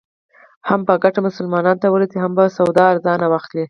هم به ګټه مسلمانانو ته ورسېږي او هم به سودا ارزانه واخلې.